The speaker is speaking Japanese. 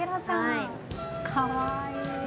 かわいい。